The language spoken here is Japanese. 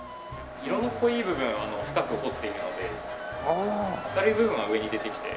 色の濃い部分は深く掘っているので明るい部分は上に出てきて暗い部分は下に。